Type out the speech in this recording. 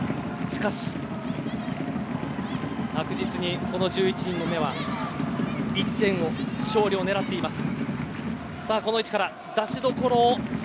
しかし、確実にこの１１人の目は一点を、勝利を狙っています。